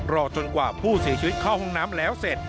รอจนกว่าผู้เสียชีวิตเข้าห้องน้ำแล้วเสร็จ